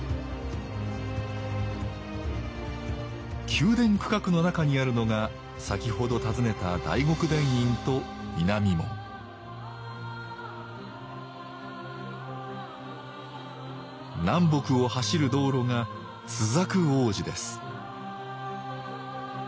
宮殿区画の中にあるのが先ほど訪ねた大極殿院と南門南北を走る道路が朱雀大路です